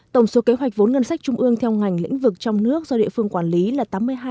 tổng số kế hoạch vốn ngân sách trung ương theo ngành lĩnh vực trong nước do địa phương quản lý là